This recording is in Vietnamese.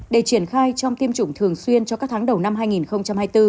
để triển khai trong tiêm chủng thường xuyên cho các tháng đầu năm hai nghìn hai mươi bốn